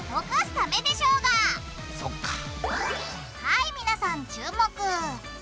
はい皆さん注目！